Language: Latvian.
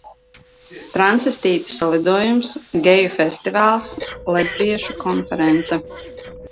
Transvestītu salidojums, geju festivāls, lesbiešu konference.